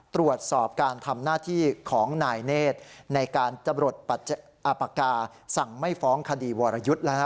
ตรวจสอบการทำหน้าที่ของนายเนธในการจรดอาปากกาสั่งไม่ฟ้องคดีวรยุทธ์นะฮะ